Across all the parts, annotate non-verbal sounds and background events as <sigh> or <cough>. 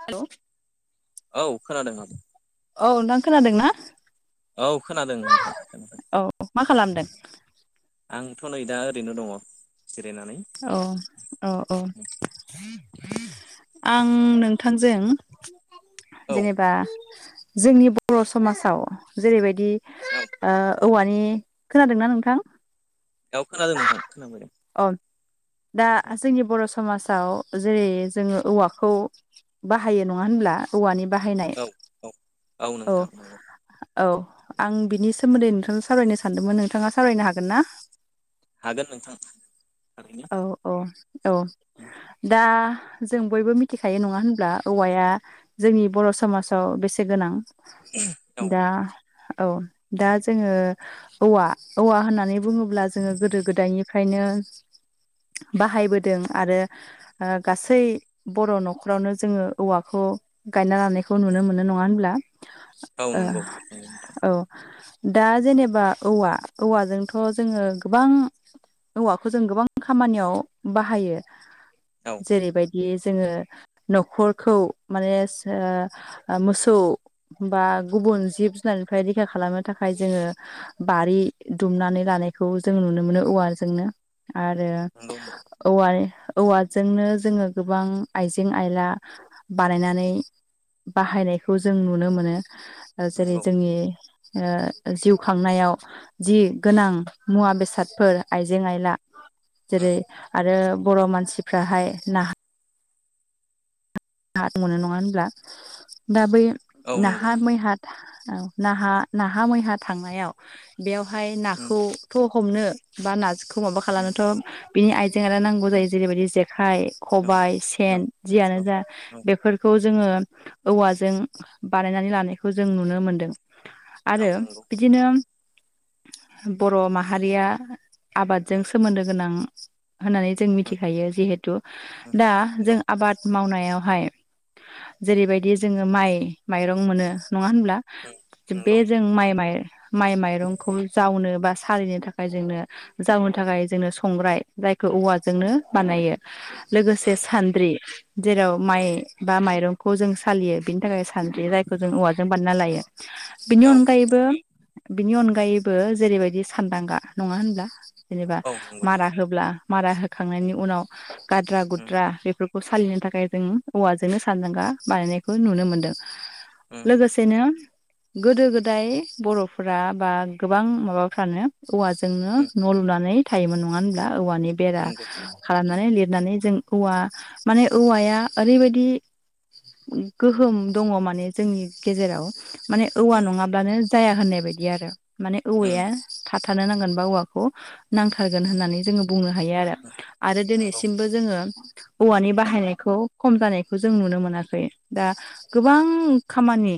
हेल'। औ खोनादों आं। औ नोंथां खोनादों ना? औ खोनादों नोंथां खोनादों। ़ <inaudible> आंथ' नै दा ओरैनो दङ। जिरायनानै औ औ औ। आं नोंथांजों औ जेनेबा जोंनि बर' समाजाव जेरैबायदि औ औवानि खोनादोंना नोंथां। औ खोनादों नोंथां खोनाफैदों। औ। दा जोंनि बर' समाजाव जेरै जोङो औवाखौ बाहायो नङा होन औवानि बाहायनाय औ औ औ। नोंथां नंगौ औ आं बिनि सोमोन्दै नोंथांजों सावरायनो सानदोंमोन नोंथाङा सावरायनो हागोन ना हागोन नोंथां थारैनो औ औ औ दा। जों बयबो मिथिखायो नङा होनब्ला औवाया जोंनि बर' समाजाव बेसे गोनां औ दा औ दा जोङो औवा औवा होननानै बुङोब्ला जोङो गोदो गोदायनिफ्राय बिदिनो <inaudible> बाहायबोदों आरो ओ गासै बर' न'खरावनो जोङो औवाखौ। गायना लानायखौ नुनो मोनो नङा होनब्ला औ ओ नंगौ नंगौ नोंथां औ दा जेनेबा औवा औवाजोंथ' जोङो गोबां औवाखौ जों गोबां। खामानियाव बाहायो औ जेरैबायदि बे जोङो न'खरखौ माने ओ मोसौ बा गुबुन जिब जुनारनिफ्राय रैखा खालामनो थाखाय जोङो बारि दुमनानै लानो जों नुनो मोनो औवाजोंनो आरो नंगौ औवा औ। जोंनो जोङो गोबां आइजें आयला बानायनानै बाहायनायखौ जों नुनो मोनो। जेरै नंगौ जोंनि ओ जिउ खांनायाव जि गोनां मुवा बेसादफोर आइजें आयला जेरै आरो। बर' मानसिफ्राहाय नाहा नाद मनो नङा होनब्ला दा बै औ नंगौ नाहा नोंथां मैहा औ नाहा नाहा मैहा थांनायाव बेवहाय नाखौथ'। हमनो बा नाखौ माबा औ खालामनोथ' बिनि आइ जोंहा दा नांगौ जायो जेरैबायदि जेखाइ औ खबायाइ औ सेन जियानो जा औ बेफोरखौ जोङो औवाजों बानायनानै लानायखौ जों नुनो मोनदों। औ आरो नंगौ बिदिनो बर' माहारिया आबादजों सोमोन्दो गोनां‌ होननानै जों मिथिखायो जिहेथु दा जों नंगौ आबाद मावनायाव हाय जेरैबायदि जोङो माइ माइरं मोनो नङा होनब्ला नंगौ बे जों माइ माइ माइ माइरंखौ जावनो बा। सारिनो थाखाय जोंनो जावनो थाखाय जोंनो संग्राय जायखौ औवाजोंनो बानायो। लोगोसे सान्द्रि जेराव माइ बा माइरंखौ जों सालियो बिनि थाखाय सानद्रि जायखौ जों औवाजों बानायना लायो। बेनि औ अनगायैबो बिनि अनगायैबो जेरैबायदि सानदांगा नङा होनब्ला जेनेबा औ मारा होब्ला। मारा होखांनायनि उनाव गाद्रा गुद्रा बेफोरखौ सालिनो थाखाय जों औवाजोंनो सान्देंगा बानायनायखौ नुनो मोनदों लोगोसेनो गोदो गोदाय बर'फोरा बा गोबां माबाफ्रानो औवाजोंनो नंगौ न' लुनानै थायोमोन नङा होनब्ला औवानि बेरा नंगौ खालामनानै नंगौ लिरनानै जों औवा माने औवाया। ओरैबायदि गोहोम दङ माने जोंनि गेजेराव माने औवा उम नङाब्लानो जाया होननाय बायदि आरो माने उम औवाया थाथ थानो नांगोनबा औवाखौ नांथारगोन उम होननानै जोङो बुंनो हायो आरो उम आरो नंगौ दिनैसिमबो जोङो औवानि बाहायनायखौ खम जानायखौ जों नुनो मोनाखै दा गोबां खामानि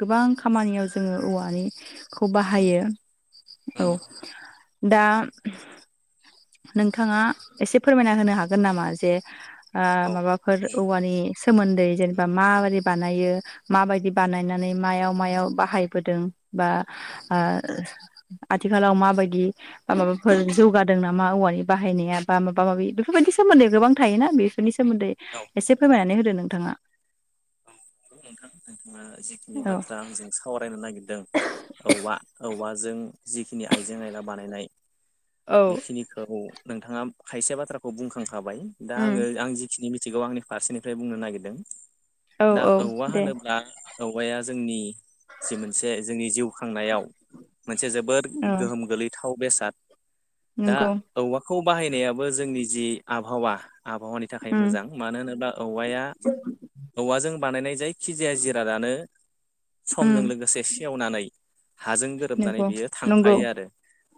गोबां खामानियाव जोङो औवानि खौ उम बाहायो औ उम दा नोंथाङा एसे फोरमायना होनो हागोन नामा जे ओ औ माबाफोर औवानि सोमोन्दै उम जेनेबा माबोरै बानायो माबायदि उम बानायनानै मायाव मायाव बाहायबोदों बा ओ आथिखालाव माबायदि माबाफोर जौगादों ना मा औवानि बाहायनाया बा माबा माबि बेफोरबायदि सोमोन्दै गोबां थायोना उम बेफोरनि सो सोमोन्दै औ एसे फोरमायनानै होदो नोंथाङा। औ नोंथां। नोंथाङा जिखिनि औ बाथ्रा आंजों सावरायनो नागिर दों औवा औवाजों जिखिनि आइजें आयला बानायनाय औ बेखिनिखौ नोंथाङा खायसे बाथ्राखौ बुंखांखाबाय दा आङो उम आं जिखिनि मिनथिगौ आंनि फारसेनिफ्राय बुंनो नागिरदों औ दा औ औवा दे होनोब्ला औवाया जोंनि जि मोनसे जोंनि जिउ खांनायाव मोनसे जोबोद औ गोहोम गोलैथाव बेसाद दा नंगौ औवाखौ बाहायनायाबो जोंनि जि आबहावा आबहावानि थाखाय उम मोजां मानो होनोबा औवाया औवाजों बानायनाय जायखिजाया जिरादानो उम समजों लोगोसे सेवनानै हाजों गोरोबनानै नंगौ बियो नंगौ थांफायो आरो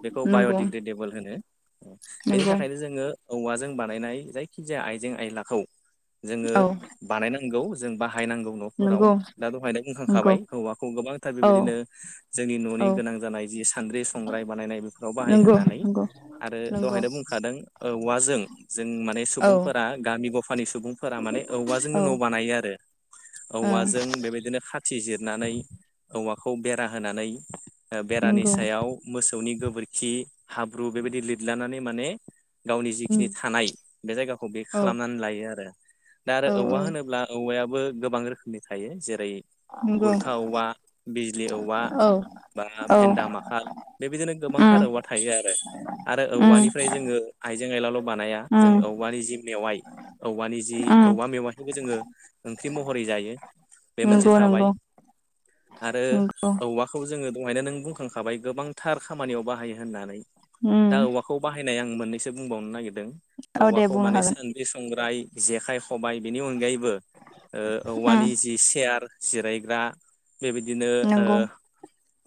बेखौ नंगौ बाय'डिग्रेडेबोल होनो बेनि नंगौ थाखायनो जोङो औवाजों बानायनाय जायखि जाया आइजें आयलाखौ जोङो औ बानायनांगौ जों बा हायनांगौ न'फोराव नंगौ दा दहायनो नंगौ बुंखांखाबाय औवाखौ गोबांथार औ बेबायदिनो जोंनि न'नि औ गोनां जानाय जि सानद्रि संग्राय बानायनाय बेफोराव बाहाय नंगौ होननानै नंगौ आरो नंगौ दहायनो बुंखादों औवाजों जों माने औ सुबुंफोरा गामि ग फानि सुबुंफोरा माने औ औवाजोंनो न' बानायो आरो। ओं औवाजों बेबायदिनो खाथि जिरनानै औवाखौ बेरा होनानै बेरानि नंगौ सायाव मोसौनि गोबोरखि हाब्रु बेबायदि लिदलानानै माने गावनि उम जिखिनि थानाय बे जायगाखौ बे औ खालामनानै लायो आरो दा आरो औ औवा औ होनोब्ला औवायाबो गोबां रोखोमनि थायो जे रै नंगौ गुरखा औवा बिजलि औवा औ बाङा औ भेन्दा माखा बेबायदिनो गोबांथार उम औवा थायो आरो, आरो उम औवानिफ्राय जोङो आइजें आइलाल' बानाया जों उम औवानि जि मेवाइ औवानि जि उम औवा मेवाइखौबो जोङो ओंख्रि महरै जायो बे मोनसे नंगौ थाबाय नंगौ आरो नंगौ औवाखौ जोङो दहायनो नों बुंखांखाबाय गोबांथार खामानियाव बाहायो होननानै दा उम औवाखौ बाहाय नाय आं मोननैसो बुंबावनो नागिरदों औ दे औवाखौ बुंनो माने हागोन सानद्रि संग्राय जेखाइ, खबाय बेनि अनगायैबो ओ उम औवानि जि सेयार जिरायग्रा बेबायदिनो ओ नंगौ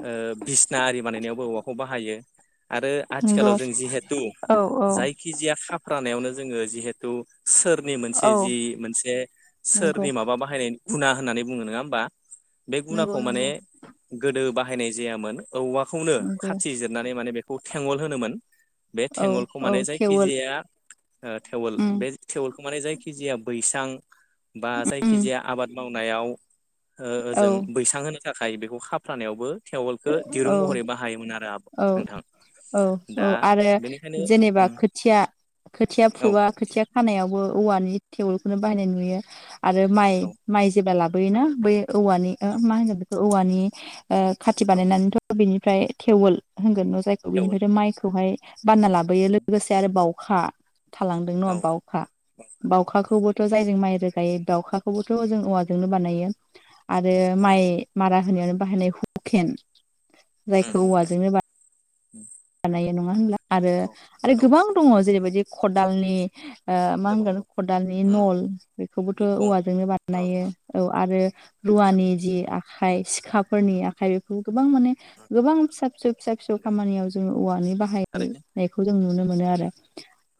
ओ बिसना आरि बानायनायावबो औवाखौ बाहायो आरो नंगौ आथिखालाव जों जिहेथु औ औ जायखिजाया खाफ्रानायावनो जोङो जिहेथु सोरनि मोनसे औ जि मोनसे नंगौ सोरनि माबा बाहायनाय गुना होननानै बुङो नोङा होमबा बे नंगौ गुनाखौ माने नंगौ गोदो बाहायनाय जायामोन औवाखौनो नंगौ खाथि जिर नानै माने बेखौ थेङल होनोमोन बे औ थेंङलखौ माने औ थेवोल जायखिजाया ओ थेवोल उम बे थेवोलखौ माने जायखिजाया बैसां बा उम जायखिजाया आबाद मावनायाव ओ औ ओजों बैसां होनो थाखाय बेखौ खाफ्रानायावबो थेवोलखो दिरुं औ महरै बाहायोमोन आरो आब औ नोंथां औ औ दा आरो बेनिखायनो जेनेबा उम खोथिया खोथिया औ फुबा खोथिया खानायावबो औवानि थेवोलखौनो बाहायनाय नुयो आरो माइ औ माइ जेब्ला लाबोयोना बे औवानि ओ औ मा होनो बेखौ औवानि ओ खाथि औ बानायनानैथ' बेनि फ्राय थेवोल होनगोन न जायखौ थेवोल बिनिफ्रायथ माइखौहाय बानना लाबोयो लोगोसे आरोबाव खा थालांदों औ न बावखा बावखाखौबो थ जायजों माइ रोगायो बावखाखौबोथ जों औवाजोंनो बानायो आरो नंगौ माइ मारा होन खेन बाहायनाय हुकेन उम जायखौ हुकेन औवाजोंनो बा उम बानायो नङा होनब्ला आरो औ आरो गोबां औ दङ जेरैबायदि खदालनि ओ मा गोबां होनगोन दं खदालनि उम नल बेखौबोथ' बिखुं औवाजोंनो नल बानायो ओ औ आरो रुवानि थारैनो जि आखाइ सिखाफोरनि उम आखाइ बेखौ गोबां माने उम गोबां फिसा फिसौ फिसा फिसौ नंगो खामानियाव जोङो औवानि थारैनो बाहायनायखौ जों नुनो मोनो आरो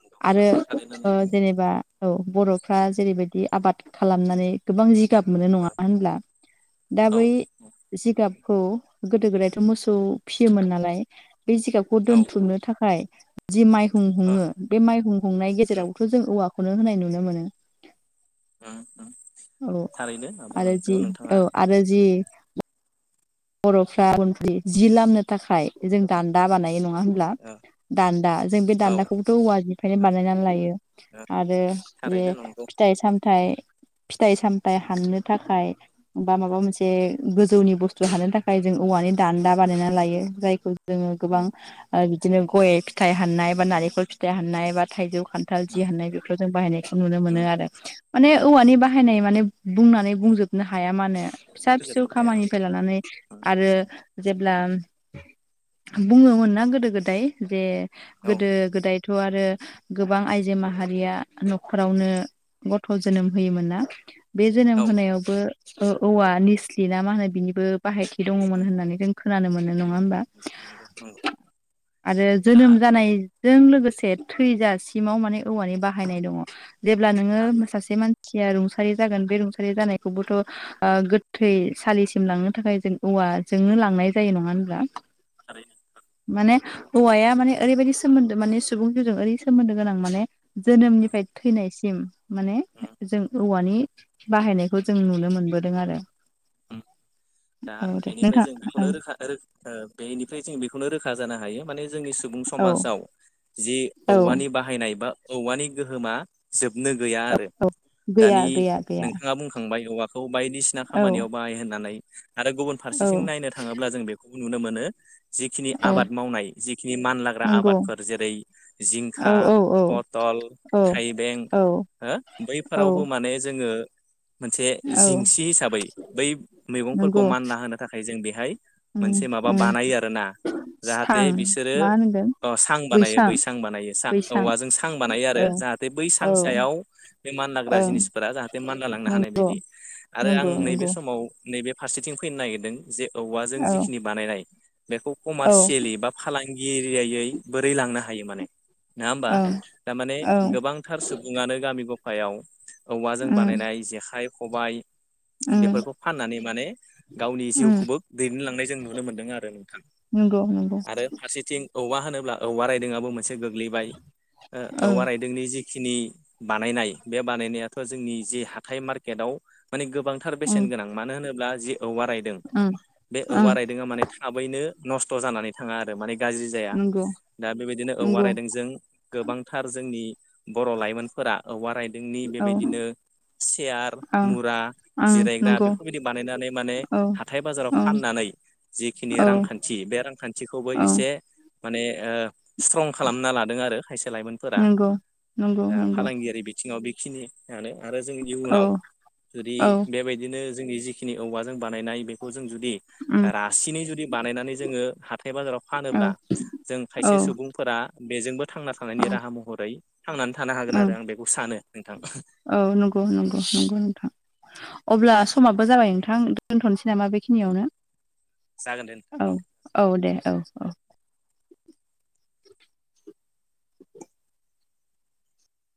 नंगौ आरो नंगौ थारैनो ओ नोंथां जेनेबा औ बर'फ्रा जेरैबायदि आबाद खालामनानै गोबां जि गाब मोनो नङा होनब्ला दा औ औ बै जिगाब खौ गोदो गोदायथ मोसौ फियोमोन नालाय बे जिगाबखौ औ ओ दोनथुमनो थाखाय जि माइहुं हुङो बे माइहुं हुंनाय उम गेजेरावथ' जों औवा खौनो होनाय नुनो मोनो उम उम औ थारैनो आब' आरो नोंखौ जि नोंथाङा औ आरो जि बर'फ्रा उनजि जि लामनो थाखाय जों दान्दा बानायो नङा होनब्ला ओ दान्दा जों बे औ दान्दाखौबोथ' औवानिफ्रायनो ओ बानायनानै लायो ओ आरो जे थारैनो नंगौ फिथाइ सामथाइ फिथाइ सामथाइ हाननो थाखाय बा माबा मोनसे गोजौनि बुस थु हाननो थाखाय जों औवानि दान्दा बानायना लायो जायखौ जोङो गोबां उम ओ बिदिनो गय फिथाइ हाननाय बा नारेखल फिथाइ हाननाय बा थाइजौ खान्थाल बिदि उम हाननाय बेफोराव जों बाहायनायखौ नुनो मोनो उम आरो माने उम औवानि बाहायनाय माने बुंनानै उम बुंजोबनो हाया मानो उम फिसा फिसौ फोजोबनो हाया खामानिफ्राय लानानै ओं आरो जेब्ला बुङो मोनना गोदो गोदाय जे ओं गोदो गोदाय थ' आरो गोबां आइजो माहारिया नखरावनो गथ' जोनोम होयोमोन ना बे जोनोम औ होनायावबो ओ औवा निस्लि ना मा होनो बिनिबो बाहायथि दङमोन उम होननानै जों खोनानो मोनो नङा उम होमबा नंगौ नंगौ आरो दा जोनोम जानाय जों लोगोसे थैजासिमाव माने औवानि बाहायनाय दङ' जेब्ला नोङो थारैनो सासे मान सिया रुंसारि जागोन बे रुंसारि जानायखौबोथ ओ गोथै सालिसिम लांनो थाखाय जों औवाजोंनो उम लांनाय जायो नङा होनब्ला थारैनो माने औवाया माने ओरैबायदि सोमोन दो माने सुबुं जिउजों ओरै सोमोन्दो गोनां माने उम जोनोमनिफ्राय थैनायसिम माने उम जों औवानि बाहायनायखौ उम जों नुनो मोनबोदों आरो उम दा औ दे बेनिफ्राय जों बेखौनो नोंथां रोखा रो ओ बेनिफ्राय जों बेखौनो रोखा जानो हायो माने जोंनि सुबुं ओं समाजाव जि औ औवानि बाहायनाय बा औवानि गोहोमा जोबनो गैया आरो औ गैया दानि गैया गैया नोंथाङा बुंखांबाय औवाखौ बायदिसिना औ खामानियाव बाहाय होननानै आरो गुबुन औ फारसेथिं नायनो थाङोब्ला जों बेखौ नुनो मोनो जिखिनि औ आबाद मावनाय जिखिनि मानलाग्रा नंगौ आबादफोर जेरै जिंखा औ औ औ पट ल औ थाइबें औ हो औ बैफोरावबो माने जोङो मोनसे औ जिंसि हिसाबै बै मैगंफोरखौ नंगौ मानलाहोनो थाखाय जों बेहाय उम मोनसे माबा उम बानायो आरोना जाहाथे सां बिसोरो मा होनगोन सां बानायो बैसां बानायो बैसां औवजों सां बानायो आरो ओं जाहाथे बै सां औ सायाव मानलाग्रा ओं जिनिसफोरा जाहाथे मानलालांनो हानाय नंगौ बायदि। आरो आं नंगौ नैबे नंगौ समाव नैबे फारसेथिं फैनो नागिरदों जे औवाजों औ जिखिनि बानायनाय बेखौ औ कमार्सियेलि बा फालांगिरियायै बोरै लांनो हायो माने नङा होमबा? ओं थारमाने औ गोबांथार सुबुङानो गामि गफायाव औवाजों उम बानायनाय जेखाइ, खबाइ उम बेफोरखौ फाननानै माने गावनि उम जिउखौबो दैदेनलांनाय जों नुनो मोन्दों आरो। नंगौ नंगौ आरो फारसेथिं औवा होनो ब्ला औवा राइदोंआबो मोनसे गोग्लैबाय। ओ ओं औवा राइदोंनि जि खिनि बानायनाय बे बानायनायाथ' जोंनि जे हाथाइ मार्केटआव माने गोबांथार उम बेसेन गोनां। मानो होनोब्ला जि औवा रायदों उम बे औवा ओं रायदोंआ माने थाबैनो नस्थ' जानानै थाङा आरो माने गाज्रि जाया। नंगौ दा बेबायदिनो औवा नंगौ रायदोंजों गोबांथार जोंनि बर' लाइमोनफोरा औवा राय दोंनि औ बेबायदिनो चेयार, ओं मुरा ओं जिरायग्रा नंगौ बेफोरबायदि बानायनानै माने औ हाथाय बाजाराव ओं फाननानै जिखिनि औ रांखान्थि बे रांखान्थिखौबो औ एसे माने ओ स्ट्रं खालामना लादों आरो खायसे लाइमोनफोरा नंगौ नंगौ दा नंगौ फालांगियारि बिथिङाव बे खिनिआनो आरो जों औ इयुनाव जुदि औ बेबायदिनो जोंनि जिखिनि औवा जों बानायनाय बेखौ जों जु दि उम रासिनै जुदि बानायनानै जोङो हाथाय-बाजाराव औ फानोब्ला जों औ खायसे सुबुंफोरा बेजोंबो थांना थानायनि ओं राहा महरै थांनानै थानो हागोन ओं आरो आं बेखौ सानो नोंथां। औ नंगौ नंगौ नंगौ नोंथां अब्ला समाबो जाबाय नोंथां दोनथ'नोसै। नामा औ बेखिनियावनो जागोन दे नोंथां औ औ दे औ। औ